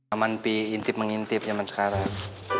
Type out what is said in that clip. aman intip mengintip zaman sekarang